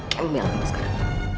kamu biar aku mau sekarang